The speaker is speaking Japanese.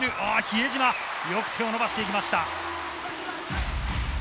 比江島、よく手を伸ばしていきました。